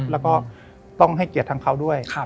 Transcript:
แล้วก็ต้องให้เกียรติทั้งเขาด้วย